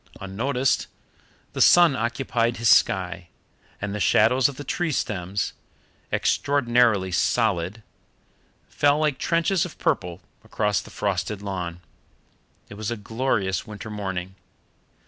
Unnoticed, the sun occupied his sky, and the shadows of the tree stems, extraordinarily solid, fell like trenches of purple across the frosted lawn. It was a glorious winter morning.